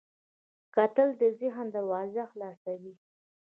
کتل د ذهن دروازې خلاصوي